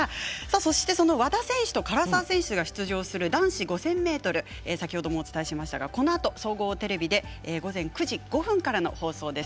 そして、その和田選手と唐澤選手が出場する男子５０００ｍ先ほどもお伝えしましたがこのあと総合テレビで午前９時５分からの放送です。